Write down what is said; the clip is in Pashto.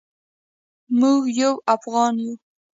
موږ یو افغان یو.